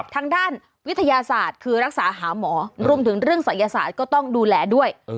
ทางด้านวิทยาศาสตร์คือรักษาหาหมอรวมถึงเรื่องศัยศาสตร์ก็ต้องดูแลด้วย